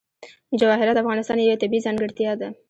جواهرات د افغانستان یوه طبیعي ځانګړتیا ده.